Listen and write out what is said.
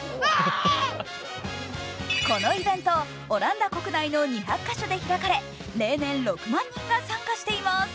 このイベント、オランダ国内の２００か所で開かれ例年、６万人が参加しています。